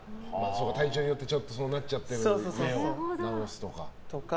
体調によってそうなっちゃってるのを直すとか。